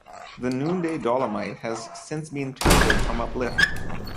The Noonday Dolomite has since been tilted from uplift.